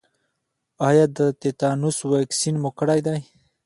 ایا د تیتانوس واکسین مو کړی دی؟